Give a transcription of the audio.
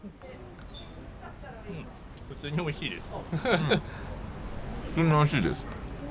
普通においしいです。